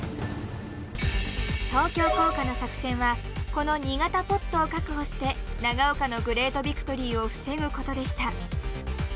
東京工科の作戦はこの２型ポットを確保して長岡のグレートビクトリーを防ぐことでした。